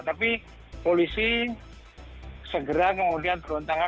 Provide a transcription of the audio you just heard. tapi polisi segera kemudian turun tangan